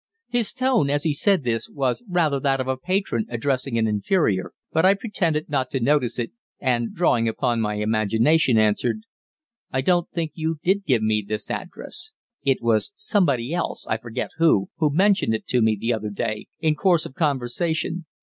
His tone, as he said this, was rather that of a patron addressing an inferior, but I pretended not to notice it, and, drawing upon my imagination, answered: "I don't think you did give me this address; it was somebody else I forget who who mentioned it to me the other day in course of conversation.